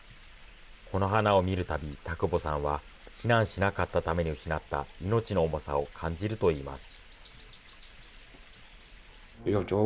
この花を見るたび、田窪さんは避難しなかったために失った命の重さを感じるといいます。